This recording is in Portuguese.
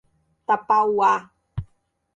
Tapauá